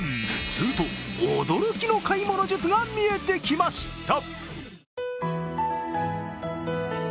すると、驚きの買い物術が見えてきました。